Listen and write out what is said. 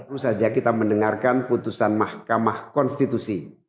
baru saja kita mendengarkan putusan mahkamah konstitusi